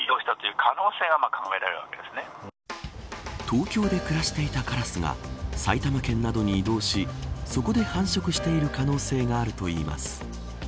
東京で暮らしていたカラスが埼玉県などに移動しそこで繁殖している可能性があるといいます。